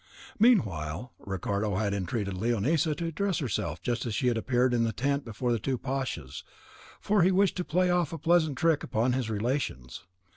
Meanwhile, Ricardo had entreated Leonisa to dress herself just as she had appeared in the tent before the two pashas, for he wished to play off a pleasant trick upon his relations.